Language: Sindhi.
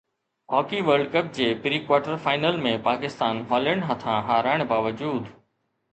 هاڪي ورلڊ ڪپ جي pre quarter final ۾ Pakistan Holland هٿان هارائڻ باوجود